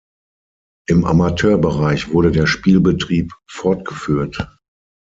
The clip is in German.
Im Amateurbereich wurde der Spielbetrieb fortgeführt.